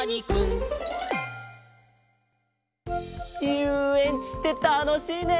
ゆうえんちってたのしいね！